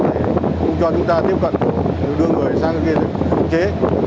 để không cho chúng ta tiếp cận đưa người sang kia để hướng chế